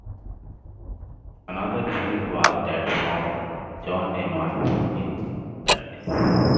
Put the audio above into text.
Another view was that from John Lehmann's "New Writing".